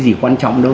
gì quan trọng đâu